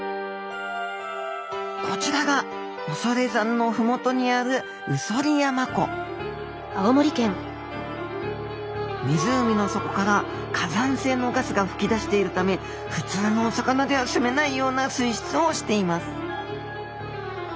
こちらが恐山のふもとにある宇曽利山湖湖の底から火山性のガスがふきだしているためふつうのお魚では住めないような水質をしています。